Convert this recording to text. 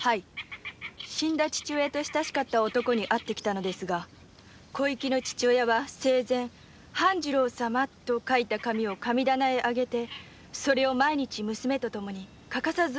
死んだ父親と親しかった男に聞いたのですが小雪の父親は生前「半次郎様」と書いた紙を神棚へ上げて毎日娘と共に欠かさず拝んでいたそうです。